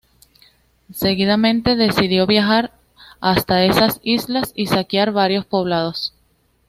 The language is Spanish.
Seguidamente decidió viajar hasta esas islas y saquear varios poblados.